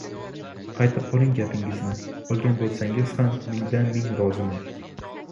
— Qaytib oling gapingizni! Olgan bo‘lsangiz ham mingdanming roziman!